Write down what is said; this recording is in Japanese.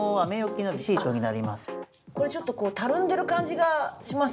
これちょっとたるんでる感じがしますね。